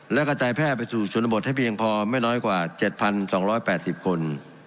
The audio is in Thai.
และกระจายแพร่ไปสู่ชนบทให้เพียงพอไม่น้อยกว่า๗๒๘๐คน